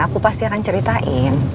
aku pasti akan ceritain